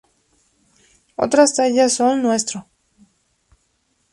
Otras tallas son Ntro.